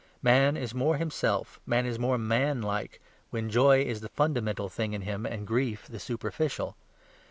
Man is more himself, man is more manlike, when joy is the fundamental thing in him, and grief the superficial.